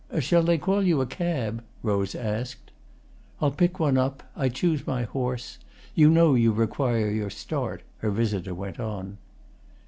"Shall they call you a cab?" Rose asked. "I'll pick one up. I choose my horse. You know you require your start," her visitor went on.